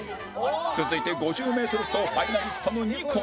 続いて５０メートル走ファイナリストのニコル